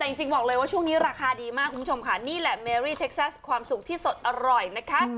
แต่จริงบอกเลยว่าช่วงนี้ราคาดีมากคุณผู้ชมค่ะนี่แหละเมรี่เท็กซัสความสุขที่สดอร่อยนะคะ